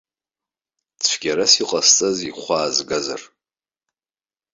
Цәгьарас иҟасҵазеи ихәы аазгазар?